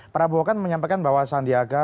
prabowo kan menyampaikan bahwa sandiaga